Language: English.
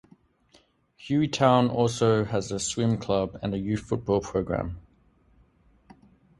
Hueytown also has a Swim Club and a youth football program.